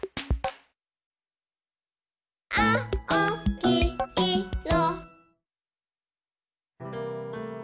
「あおきいろ」